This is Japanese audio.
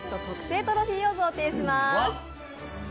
特製トロフィーを贈呈いたします。